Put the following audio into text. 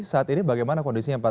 saat ini bagaimana kondisinya pak